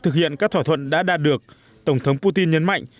các thỏa thuận đã đạt được tổng thống putin nhấn mạnh